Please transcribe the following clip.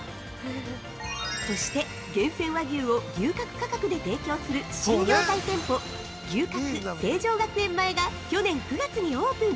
そして、厳選和牛を牛角価格で提供する新業態店舗「牛角成城学園前」が去年９月にオープン。